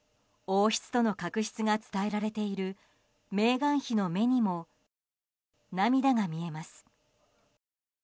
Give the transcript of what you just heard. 王室との確執が伝えられているメーガン妃の目にも涙が見えます。